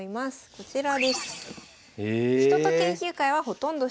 こちらです。